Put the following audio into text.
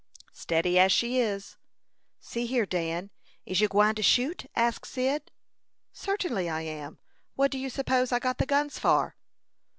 "Steady as she is." "See here, Dan. Is you gwine to shoot?" asked Cyd. "Certainly I am. What do you suppose I got the guns for?"